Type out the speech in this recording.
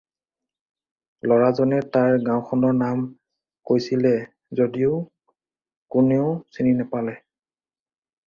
ল'ৰাজনে তাৰ গাওঁখনৰ নাম কৈছিলে যদিও কোনেও চিনি নাপালে।